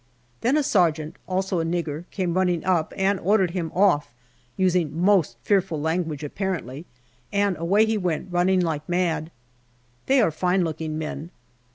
Then a ser geant, also a nigger, came running up, and ordered him off, using most fearful language apparently, and away he went, running like mad. They are fine looking men.